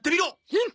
うん！